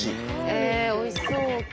ええおいしそう！